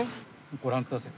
ご覧ください。